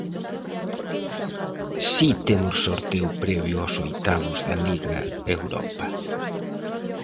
Si temos sorteo previo aos oitavos da Liga Europa.